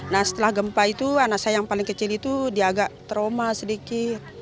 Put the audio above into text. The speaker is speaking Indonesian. nah setelah gempa itu anak saya yang paling kecil itu dia agak trauma sedikit